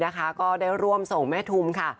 ก็ได้ร่วมส่งแม่ทุมค่ะ